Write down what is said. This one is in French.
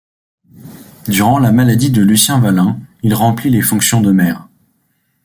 Durant la maladie de Lucien Valin, il remplit les fonctions de maire.